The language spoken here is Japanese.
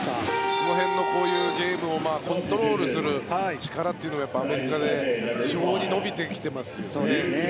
その辺のこういうゲームをコントロールする力はアメリカで非常に伸びてきてますよね。